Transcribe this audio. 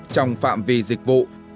trong phạm vi dịch vụ